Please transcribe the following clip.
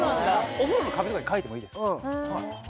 お風呂の壁とかに書いてもいい。